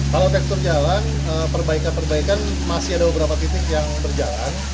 kalau tekstur jalan perbaikan perbaikan masih ada beberapa titik yang berjalan